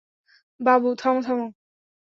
বাবু, থামো থামো!